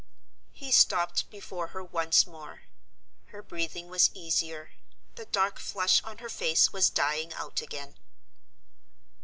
He stopped before her once more. Her breathing was easier; the dark flush on her face was dying out again.